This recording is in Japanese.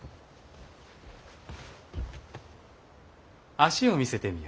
脚を見せてみよ。